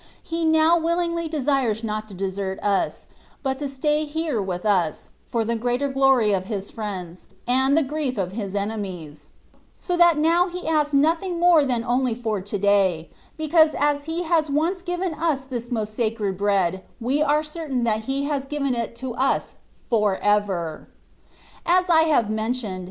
He now willingly desires not to desert us, but to stay here with us, for the greater glory of His friends, and the grief of His enemies j so that He now asks nothing more than only for " to day,^* because as He has once given us this most sacred bread, we are certain that Htf has given it to us /or ever. As I have mentioned.